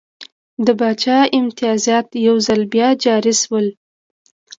د پاچا امتیازات یو ځل بیا جاري شول.